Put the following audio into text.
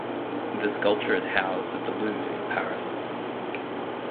The sculpture is housed at The Louvre in Paris.